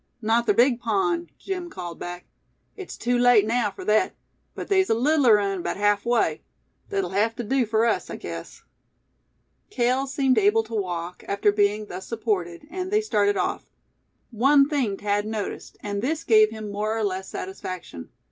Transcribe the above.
"Not ther big pond," Jim called back; "it's tew late naow fur thet; but they's a littler un 'baout half way. Thet'll hev tew dew fur us, I guess." Cale seemed able to walk, after being thus supported, and they started off. One thing Thad noticed; and this gave him more or less satisfaction.